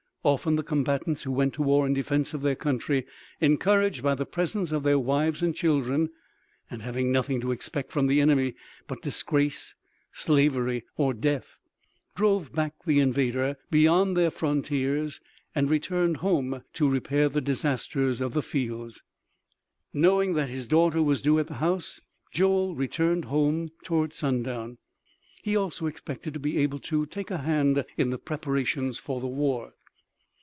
Often the combatants who went to war in defence of their country, encouraged by the presence of their wives and children, and having nothing to expect from the enemy but disgrace, slavery or death, drove back the invader beyond their frontiers, and returned home to repair the disasters of the fields. Knowing that his daughter was due at the house, Joel returned home towards sun down. He also expected to be able to take a hand in the preparations for the war.